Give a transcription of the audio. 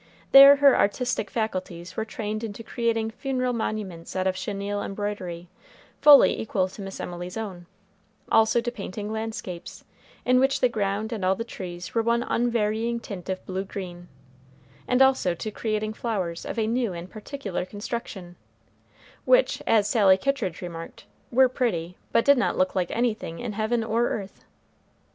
There her artistic faculties were trained into creating funereal monuments out of chenille embroidery, fully equal to Miss Emily's own; also to painting landscapes, in which the ground and all the trees were one unvarying tint of blue green; and also to creating flowers of a new and particular construction, which, as Sally Kittridge remarked, were pretty, but did not look like anything in heaven or earth.